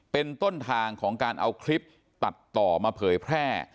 เป็นต้นทางของการเอาคลิปตัดต่อมาเผยแพร่